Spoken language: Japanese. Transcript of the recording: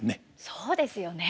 そうですよね。